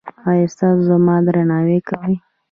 ایا تاسو زما درناوی کوئ؟